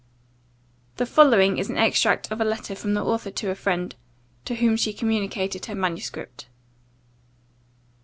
[The following is an extract of a letter from the author to a friend, to whom she communicated her manuscript.